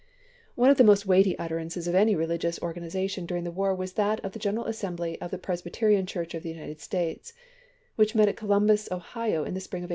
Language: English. One of the most weighty utterances of any re ligious organization during the war was that of the General Assembly of the Presbyterian Church of the United States, which met at Columbus, Ohio, in the spring of 1862.